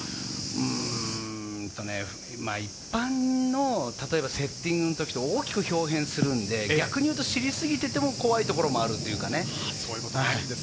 うんとね、一般のセッティングの時と大きく豹変するので、逆に知りすぎていても、怖いところもあるというかね。